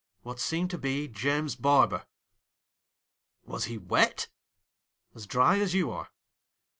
What seemed to be James Barber.' 'Was he wet?' ' As dry as you are.'